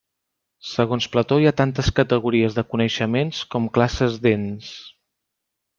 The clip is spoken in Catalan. Segons Plató hi ha tantes categories de coneixements com classes d'ens.